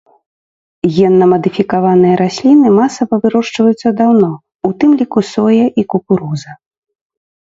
Генна-мадыфікаваныя расліны масава вырошчваюцца даўно, у тым ліку соя і кукуруза.